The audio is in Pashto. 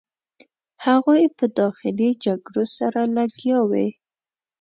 هغوی په داخلي جګړو سره لګیا وې.